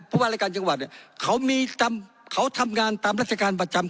ผู้บริการจังหวัดเนี่ยเขามีตำเขาทำงานตามรัฐการประจำ